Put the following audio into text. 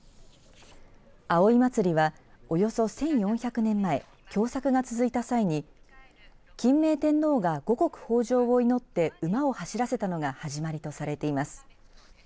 葵祭は、およそ１４００年前凶作が続いた際に欽明天皇が五穀豊じょうを祈って馬を走らせたのが始まりとされています。